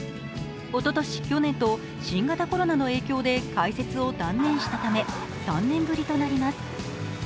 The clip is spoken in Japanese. おととし、去年と新型コロナの影響で開設を断念したため、３年ぶりとなります。